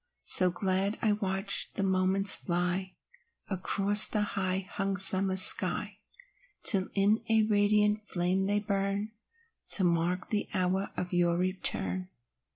So glad I watch the moments fly Across the high hung summer sky, Till in a radiant flame they burn, To mark the hour of your return.